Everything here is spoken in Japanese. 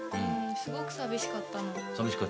すごく寂しかったの。